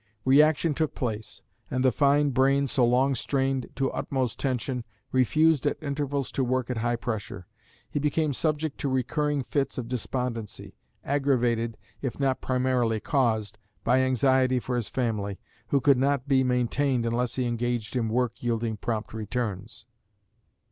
Reaction took place, and the fine brain, so long strained to utmost tension, refused at intervals to work at high pressure. He became subject to recurring fits of despondency, aggravated, if not primarily caused by anxiety for his family, who could not be maintained unless he engaged in work yielding prompt returns.